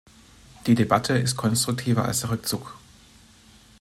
Die Debatte ist konstruktiver als der Rückzug.